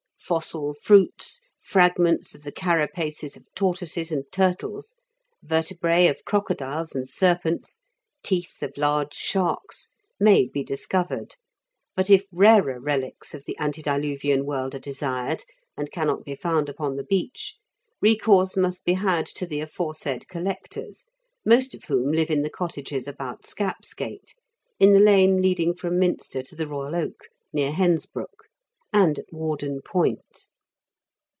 Fossil fruits, fragments of the carapaces of tortoises and turtles, vertebraj of crocodiles and serpents, teeth of large sharks, may be discovered ; but if rarer relics of the antediluvian world are desired, and cannot be found upon the beach, recourse must be had to the aforesaid collectors, most of whom live in the cottages about Scapsgate, in the lane leading from Minster to The Koyal Oak, near Hensbrook, and at Warden Point.